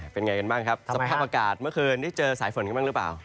เป็นไงกันบ้างครับสภาพอากาศเมื่อคืนได้เจอสายฝนกันบ้างหรือเปล่า